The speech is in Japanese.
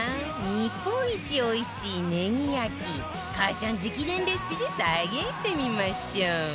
日本一おいしいネギ焼きかあちゃん直伝レシピで再現してみましょう